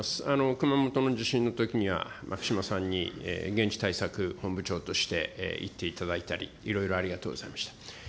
熊本の地震のときには、牧島さんに現地対策本部長として行っていただいたり、いろいろありがとうございました。